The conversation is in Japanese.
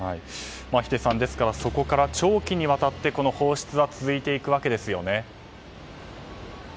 秀さん、そこから長期にわたって放出は続いていくわけですよね。